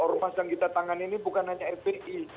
ormas yang kita tangan ini bukan hanya fpi